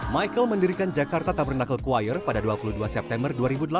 michael mendirikan jakarta tabernacle choir pada dua puluh dua september dua ribu delapan